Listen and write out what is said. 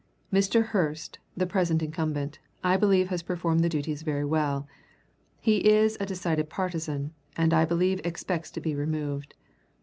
Mr. Hurst, the present incumbent, I believe has performed the duties very well. He is a decided partisan, and I believe expects to be removed.